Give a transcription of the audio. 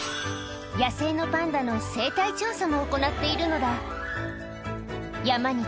野生のパンダの生態調査も行っているのだ。